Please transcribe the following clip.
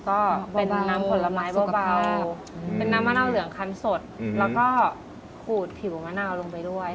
ก็เป็นน้ำผลไม้เบาเป็นน้ำมะนาวเหลืองคันสดแล้วก็ขูดผิวมะนาวลงไปด้วย